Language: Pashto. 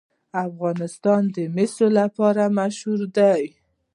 افغانستان د مس لپاره مشهور دی.